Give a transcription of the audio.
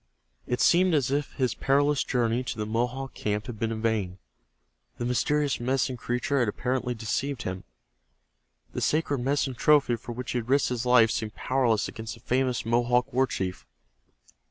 It seemed as if his perilous journey to the Mohawk camp had been in vain. The mysterious Medicine Creatures had apparently deceived him. The sacred medicine trophy for which he had risked his life seemed powerless against the famous Mohawk war chief.